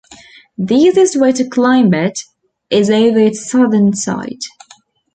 The easiest way to climb it is over its southern side.